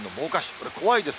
これ、怖いです。